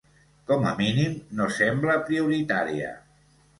Com a mínim, no sembla prioritària.